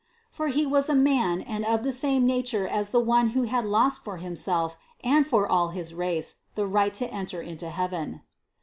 For He was a man and of the same nature as the one who had lost for himself and for all his race the right to enter into heaven.